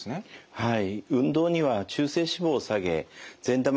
はい。